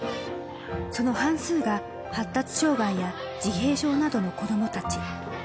その半数が発達障害や自閉症などの子どもたち。